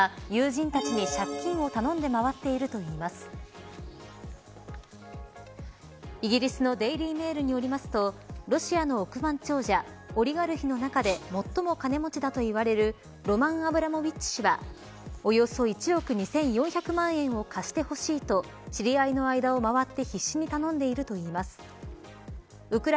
ロシアの億万長者が友人たちに借金を頼んでイギリスのデイリー・メールによるとロシアの億万長者オリガルヒの中で最も金持ちだといわれるロマン・アブラモビッチ氏はおよそ１億２４００万円を貸してほしいと知り合いの間を回って必死に頼んでいるといいます。